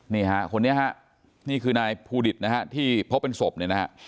นี่ฮะคนนี้ฮะนี่คือนายภูดิตนะฮะที่พบเป็นศพเนี่ยนะฮะ